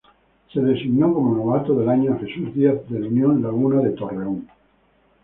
Se designó como novato del año a Jesús Díaz del Unión Laguna de Torreón.